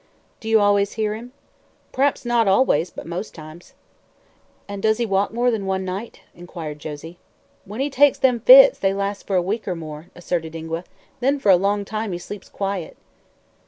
"Do you always hear him?" "P'r'aps not always, but most times." "And does he walk more than one night?" inquired Josie. "When he takes them fits, they lasts for a week or more," asserted Ingua. "Then, for a long time, he sleeps quiet."